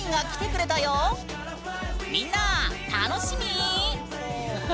みんな楽しみ？